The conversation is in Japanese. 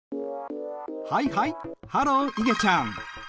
はいはいハローいげちゃん。